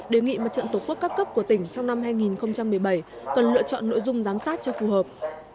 đề nghị mặt trận tổ quốc các cấp của tỉnh trong năm hai nghìn một mươi bảy cần lựa chọn nội dung giám sát cho phù hợp